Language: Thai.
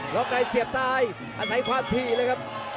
แล้วนายเสียบซ้ายอาศัยความที่เลยครับ